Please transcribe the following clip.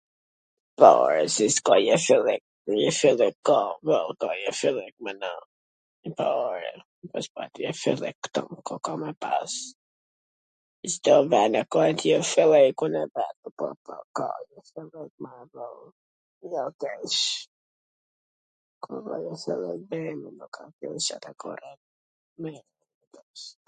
Po, re, si s' ka jeshillik. Jeshillik ka, po, ka jeshillik, po, re, po s pati jeshillik ktu, ku ka me pas? Cdo ven e ka jeshillikun e vet...